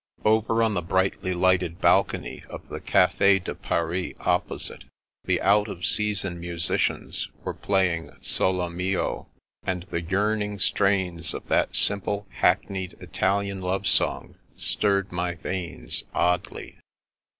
Over on the brightly lighted balcony of the Cafe de Paris opposite, the " out of season " musicians were playing " Sole Mio," and the yearning strains of that simple, hackneyed Italian love song stirred my veins oddly.